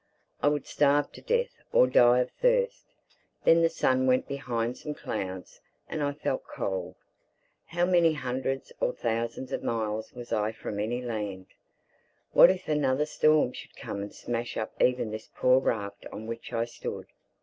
I would starve to death or die of thirst. Then the sun went behind some clouds and I felt cold. How many hundreds or thousands of miles was I from any land? What if another storm should come and smash up even this poor raft on which I stood?